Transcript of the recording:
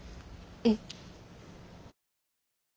えっ？